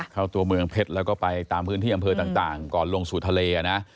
ตัวเมืองเพชรแล้วก็ไปตามพื้นที่อำเภอต่างก่อนลงสู่ทะเลนะ